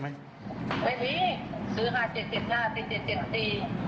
ไม่มีซื้อห้าเจ็ดเจ็ดห้าเจ็ดเจ็ดเจ็ดสี่